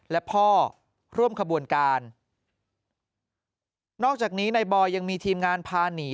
และพ่อร่วมขบวนการนอกจากนี้ในบอยยังมีทีมงานพาหนี